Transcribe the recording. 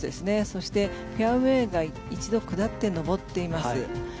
そして、フェアウェーが一度下って上っています。